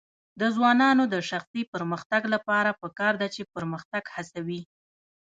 د ځوانانو د شخصي پرمختګ لپاره پکار ده چې پرمختګ هڅوي.